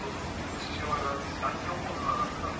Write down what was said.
父親が大横綱だというのは。